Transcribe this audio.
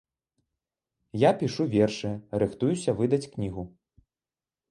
Я пішу вершы, рыхтуюся выдаць кнігу.